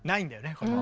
これは。